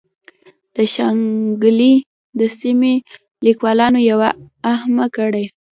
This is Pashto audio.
د شانګلې د سيمې د ليکوالانو يوه اهمه کړۍ